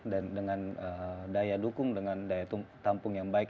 dan dengan daya dukung dengan daya tampung yang baik